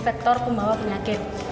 faktor pembawa penyakit